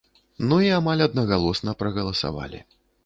Ну і амаль аднагалосна прагаласавалі.